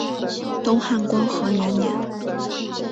东汉光和元年。